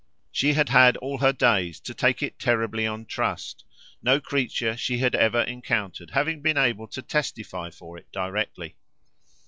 She had had all her days to take it terribly on trust, no creature she had ever encountered having been able to testify for it directly.